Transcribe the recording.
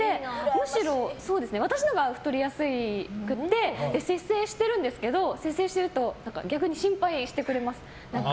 むしろ私のほうが太りやすくて節制してるんですけど節制してると逆に心配してくれます。